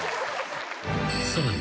［さらに］